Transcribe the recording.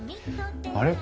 あれ？